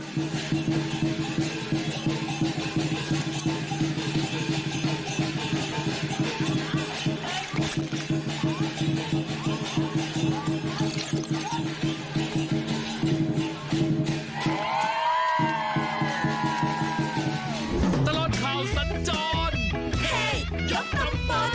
ตลอดข่าวสัญจร